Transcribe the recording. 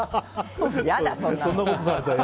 嫌だ、そんな。